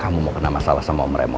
kamu mau kena masalah sama om raymond